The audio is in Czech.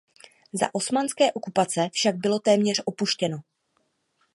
Za osmanské okupace však bylo téměř opuštěno.